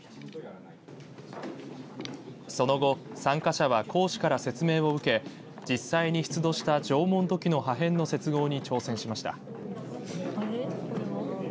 その後、参加者は講師から説明を受け実際に出土した縄文土器の破片の接合に挑戦しました。